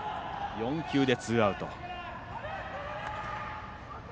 ４球でツーアウト。